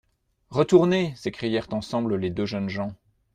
Retourner ! s'écrièrent ensemble les deux jeunes gens.